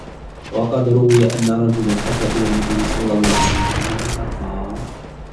وَقَدْ رُوِيَ أَنَّ رَجُلًا أَتَى إلَى النَّبِيِّ صَلَّى اللَّهُ عَلَيْهِ وَسَلَّمَ فَقَالَ